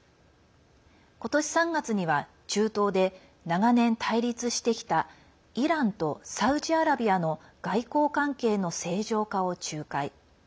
今年３月には中東で長年対立してきたイランとサウジアラビアの外交関係の正常化を仲介。